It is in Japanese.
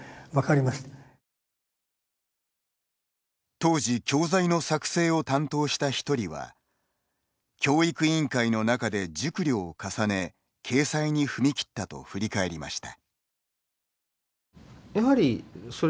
当時、教材の作成を担当した１人は、教育委員会の中で熟慮を重ね、掲載に踏み切ったと振り返りました。